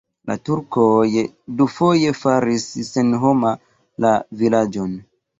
La turkoj dufoje faris senhoma la vilaĝon.